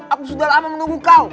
aku sudah lama menunggu kau